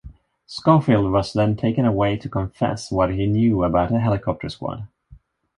Scofield was then taken away to confess what he knew about the helicopter squad.